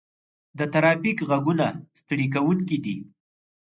د ترافیک غږونه ستړي کوونکي دي.